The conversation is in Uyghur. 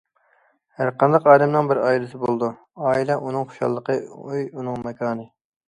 ھەرقانداق ئادەمنىڭ بىر ئائىلىسى بولىدۇ، ئائىلە ئۇنىڭ خۇشاللىقى، ئۆي ئۇنىڭ ماكانى.